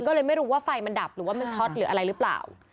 ก็เลยไม่รู้ว่าไฟมันดับหรือว่ามันช็อตหรืออะไรหรือเปล่า